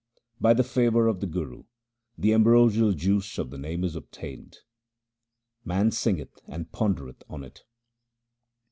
By the favour of the Guru the ambrosial juice of the Name is obtained ; man singeth and pondereth on it.